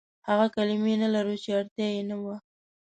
هغه کلمې نه لرو، چې اړتيا يې نه وه.